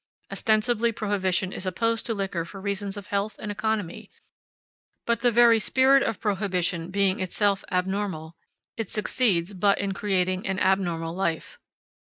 Ostensibly Prohibition is opposed to liquor for reasons of health and economy, but the very spirit of Prohibition being itself abnormal, it succeeds but in creating an abnormal life.